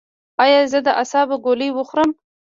ایا زه د اعصابو ګولۍ وخورم؟